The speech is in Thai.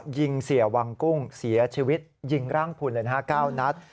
ยิงเสียวังกุ้งเสียชีวิตยิงร่างพุนเลยนะฮะ๙นัด